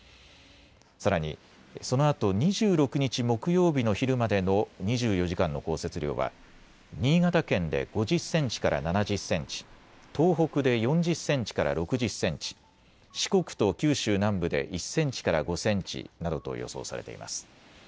さらにそのあと２６日木曜日の昼までの２４時間の降雪量は新潟県で５０センチから７０センチ、東北で４０センチから６０センチ、四国と九州南部で１センチから５センチなどと予想されています。